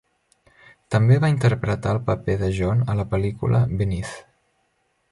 També va interpretar el paper de John a la pel·lícula "Beneath".